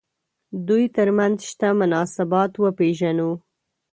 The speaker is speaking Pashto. دوی تر منځ شته مناسبات وپېژنو.